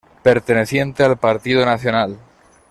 Perteneciente al Partido Nacional.